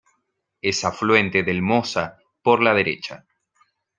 Es afluente del Mosa por la derecha.